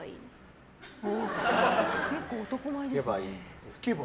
結構男前ですね。